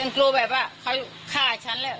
กลัวแบบว่าเขาฆ่าฉันแล้ว